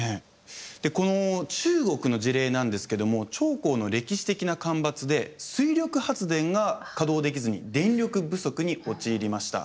この中国の事例なんですけども長江の歴史的な干ばつで水力発電が稼働できずに電力不足に陥りました。